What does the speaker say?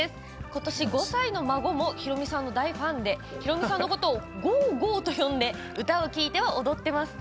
ことし５歳の孫もひろみさんの大ファンでひろみさんのことをゴーゴーと呼んで歌を聴いて踊っています。